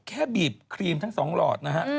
แค่บีบครีมทั้ง๒หลอดนะฮะ